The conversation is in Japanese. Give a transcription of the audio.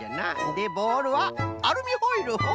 でボールはアルミホイルホホ。